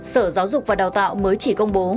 sở giáo dục và đào tạo mới chỉ công bố